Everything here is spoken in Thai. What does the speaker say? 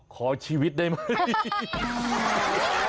ขอชีวิตได้ไหม